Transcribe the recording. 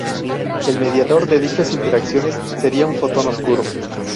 El mediador de dichas interacciones sería un fotón oscuro.